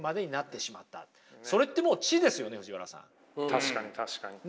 確かに確かに。